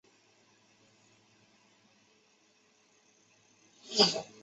而许多跨年降落仪式也正是受到本活动的启发。